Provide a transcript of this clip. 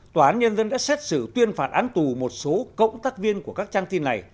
tòa án nhân dân đã xét xử tuyên phạt án tù một số cộng tác viên của các trang tin này